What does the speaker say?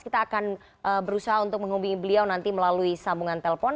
kita akan berusaha untuk menghubungi beliau nanti melalui sambungan telpon